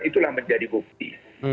itulah menjadi bukti